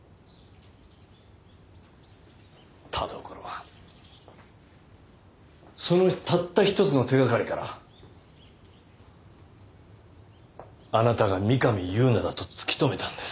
田所はそのたった一つの手掛かりからあなたが三上夕菜だと突き止めたんです。